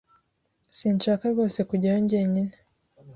Sinshaka rwose kujyayo jyenyine.